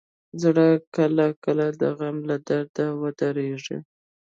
زړه کله کله د غم له درده ودریږي.